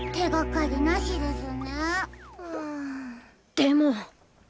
でも！